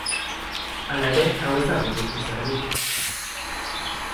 Hala ere hau ez dago guztiz argi.